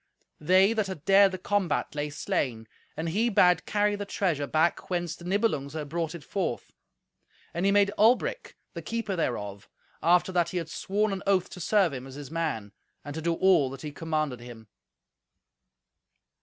They that had dared the combat lay slain; and he bade carry the treasure back whence the Nibelungs had brought it forth; and he made Albric the keeper thereof, after that he had sworn an oath to serve him as his man, and to do all that he commanded him."